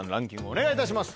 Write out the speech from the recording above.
お願いいたします。